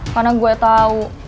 karena gue tau